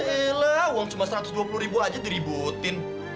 eh lah uang cuma satu ratus dua puluh ribu aja diributin